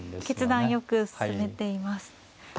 決断よく進めています。